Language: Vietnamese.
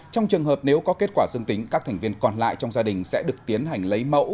trong trường hợp nếu có kết quả dương tính các thành viên còn lại trong gia đình sẽ được tiến hành lấy mẫu